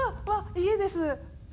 家ですね。